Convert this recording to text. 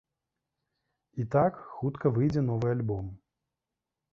І так, хутка выйдзе новы альбом.